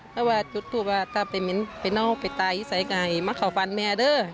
ถ้าว่าจุดทูบว่าถ้าไปเม้นไปนอกไปตายใส่ไก่มาเข้าฝันแม่ด้วย